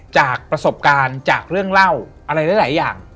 จากประสบการณ์จากเรื่องเล่าอะไรหลายอย่าง